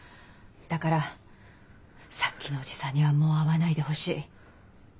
だからさっきのおじさんにはもう会わないでほしい。